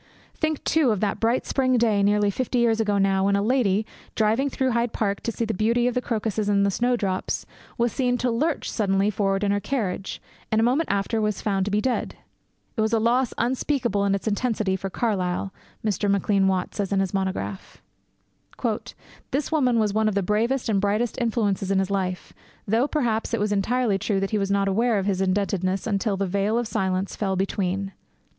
Think, too, of that bright spring day, nearly fifty years ago now, when a lady, driving through Hyde Park to see the beauty of the crocuses and the snowdrops, was seen to lurch suddenly forward in her carriage, and a moment after was found to be dead. 'It was a loss unspeakable in its intensity for Carlyle,' Mr. Maclean Watt says in his monograph. 'This woman was one of the bravest and brightest influences in his life, though, perhaps, it was entirely true that he was not aware of his indebtedness until the Veil of Silence fell between.'